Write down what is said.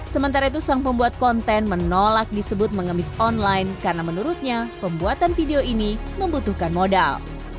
sementara itu sang pembuat konten menolak disebut mengemis online karena menurutnya pembuatan video ini membutuhkan modal